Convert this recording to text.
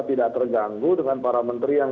tidak terganggu dengan para menteri yang